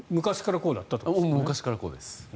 昔からこうです。